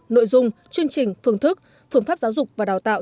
nội dung chương trình phương thức phương pháp giáo dục và đào tạo